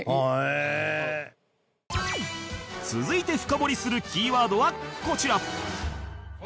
続いて深掘りするキーワードはこちら